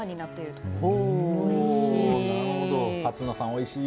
おいしい。